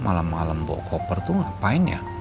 malem malem bawa koper tuh ngapain ya